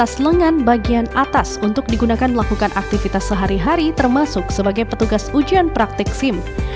subandi petugas ujian praktik sim